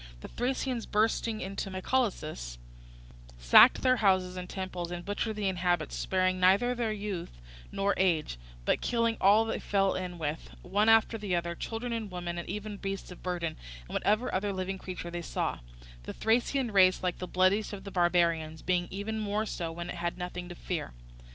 The Thracians bursting into Mycalessus sacked the houses and temples, and butchered the inhabitants, sparing neither youth nor age, but killing all they fell in with, one after the other, children and women, and even beasts of burden, and whatever other living creatures they saw; the Thracian race, like the bloodiest of the barbarians, being even more so when it has nothing to fear.